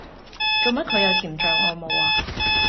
做乜佢有甜醬我冇呀